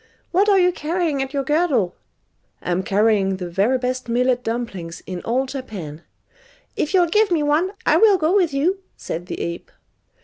"What are you carrying at your girdle?" "I'm carrying the very best millet dumplings in all Japan." "If you'll give me one, I will go with you," said the ape.